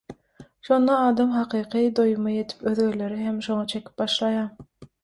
Şonda adam hakyky doýuma ýetip özgeleri hem şoňa çekip başlaýar.